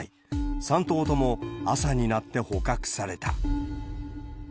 ３頭とも朝になって捕獲された。